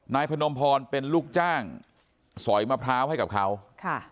พนมพรเป็นลูกจ้างสอยมะพร้าวให้กับเขาค่ะ